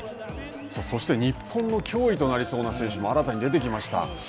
そして、日本の脅威となりそうな選手も新たに出てきました。